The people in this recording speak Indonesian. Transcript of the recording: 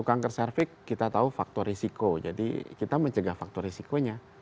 kanker cervix kita tahu faktor risiko jadi kita mencegah faktor risikonya